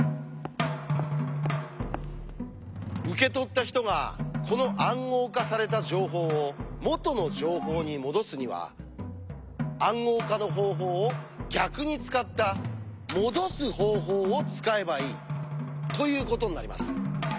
受け取った人がこの「暗号化された情報」を「元の情報」にもどすには「暗号化の方法」を逆に使った「もどす方法」を使えばいいということになります。